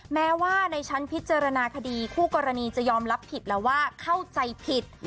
แม้ว่าในชั้นพิจารณาคดีคู่กรณีจะยอมรับผิดแล้วว่าเข้าใจผิด